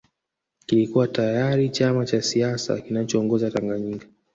Kilikuwa tayari chama cha siasa kinachoongoza Tanganyika